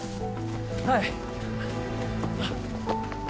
はい。